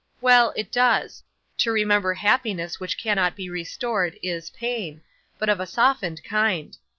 'Well; it does. To remember happiness which cannot be restored, is pain, but of a softened kind.